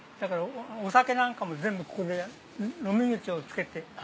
お酒なんかも全部ここで飲み口をつけて。